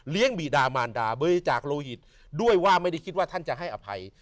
บีดามารดาบริจาคโลหิตด้วยว่าไม่ได้คิดว่าท่านจะให้อภัย